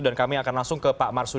dan kami akan langsung ke pak marsudi